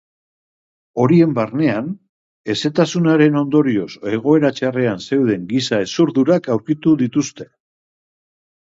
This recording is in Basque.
Horien barnean, hezetasunaren ondorioz egoera txarrean zeuden giza hezurdurak aurkitu dituzte.